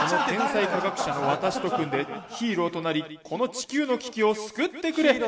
「天才科学者の私と組んでヒーローとなりこの地球の危機を救ってくれ」。